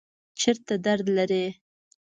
چیرته درد لرئ؟